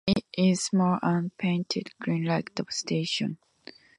It is small and painted green like the station.